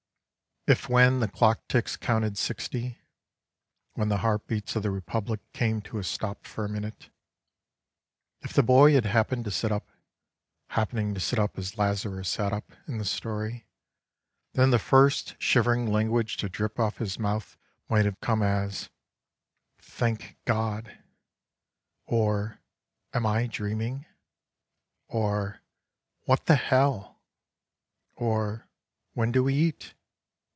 If when the clockticks counted sixty, when the heartbeats of the Republic came to a stop for a minute, if the Boy had happened to sit up, happening to sit up as Lazarus sat up, in the story, then the first shivering language to drip off his mouth might have come as, " Thank God," or " Am I dreaming? " or " What the hell " or " When do we eat?